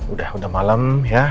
udah udah malam ya